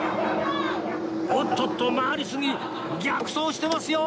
おっとっと回りすぎ逆走してますよ！